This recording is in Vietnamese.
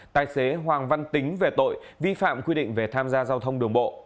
tài xế hoàng văn tính về tội vi phạm quy định về tham gia giao thông đường bộ